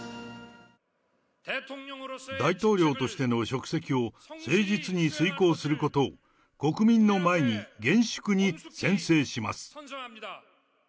大統領としての職責を誠実に遂行することを国民の前に厳粛に宣誓します。